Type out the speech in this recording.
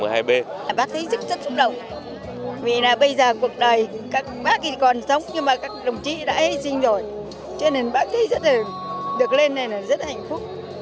bác thấy rất xúc động vì bây giờ cuộc đời các bác còn sống nhưng các đồng chí đã hi sinh rồi cho nên bác thấy rất là được lên rất là hạnh phúc